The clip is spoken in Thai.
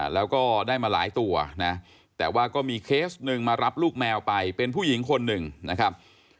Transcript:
แล้วก็ได้มาหลายตัวนะแต่ว่าก็มีเคสหนึ่งมารับลูกแมวไปเป็นผู้หญิงคนหนึ่งนะครับ